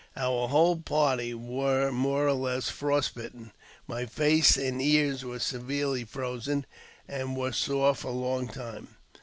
Our whole party were more T less frostbitten ; my face and ears were severely frozen, and vere sore for a long time.